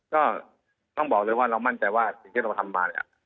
ก็ต้องบอกเลยว่าเรามั่นใจว่าสิ่งที่เราทำมาเนี่ย